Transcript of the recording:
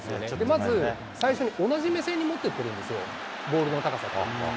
まず最初に、同じ目線に持っていってるんですよ、ボールの高さが。